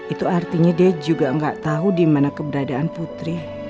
itu artinya dia juga gak tahu dimana keberadaan putri